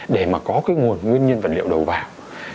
để có nguồn nguyên nhân vật liệu đầu vào